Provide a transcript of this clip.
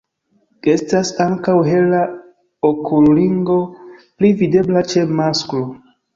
Estas ankaŭ hela okulringo, pli videbla ĉe masklo.